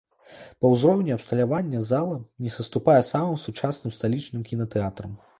Па ўзроўні абсталявання зала не саступае самым сучасным сталічным кінатэатрам.